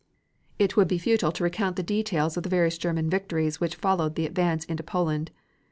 It would be futile to recount the details of the various German victories which followed the advance into Poland.